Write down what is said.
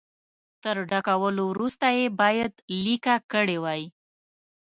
تر ډکولو وروسته یې باید لیکه کړي وای.